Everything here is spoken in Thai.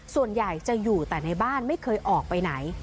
ส่วนใหญ่จะอยู่แต่ในบ้านไม่เคยออกไปไหน